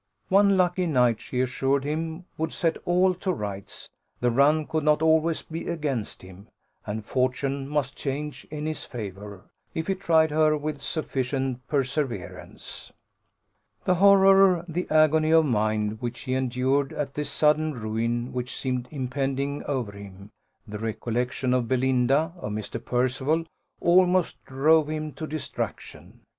One lucky night, she assured him, would set all to rights; the run could not always be against him, and fortune must change in his favour, if he tried her with sufficient perseverance. The horror, the agony of mind, which he endured at this sudden ruin which seemed impending over him the recollection of Belinda, of Mr. Percival, almost drove him to distraction.